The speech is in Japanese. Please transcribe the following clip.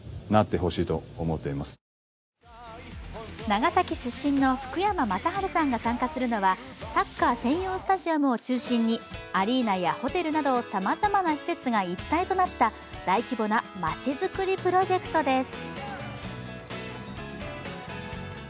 長崎市主津新の福山雅治さんが参加するのはサッカー専用スタジアムを中心にアリーナやホテルなどさまざまな施設が一体となった大規模なまちづくりプロジェクトです。